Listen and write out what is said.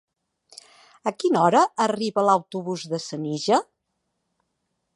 A quina hora arriba l'autobús de Senija?